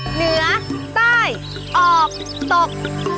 เหนือใต้ออกตก